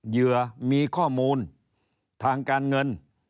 เหยื่อมีข้อมูลทางการเงิน